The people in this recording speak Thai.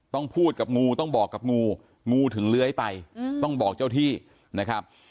พูดกับงูต้องบอกกับงูงูถึงเลื้อยไปต้องบอกเจ้าที่นะครับ